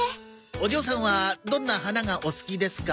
お嬢さんはどんな花がお好きですか？